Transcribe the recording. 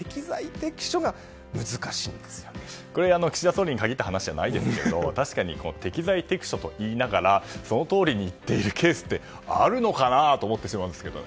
総理に限った話じゃないですけど確かに、適材適所と言いながらそのとおりに行っているケースはあるのかなと思ってしまうんですけど。